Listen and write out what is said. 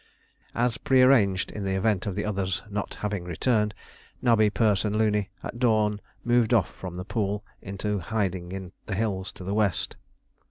As prearranged in the event of the others not having returned, Nobby, Perce, and Looney at dawn moved off from the pool into hiding in the hills to the west.